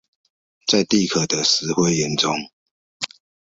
在地殼的石灰岩中